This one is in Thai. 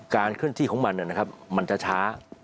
การเคลื่อนที่ของมันเนี่ยนะครับมันจะช้า